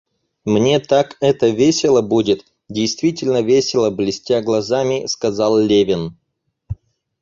Мне так это весело будет, — действительно весело блестя глазами, сказал Левин.